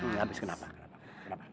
habis kenapa kenapa kenapa